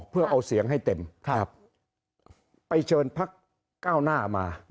เพื่อเอาเสียงให้เต็มไปเชิญพักก้าวหน้ามา